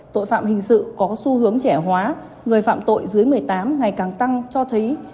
tội phạm hình sự có xu hướng trẻ hóa người phạm tội dưới một mươi tám ngày càng tăng cho thấy